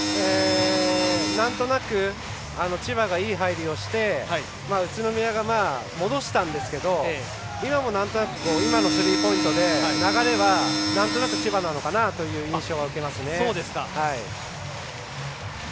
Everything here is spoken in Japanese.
なんとなく千葉がいい入りをして宇都宮が戻したんですけど今も、なんとなく今のスリーポイントで流れはなんとなく千葉なのかなという印象は受けますね。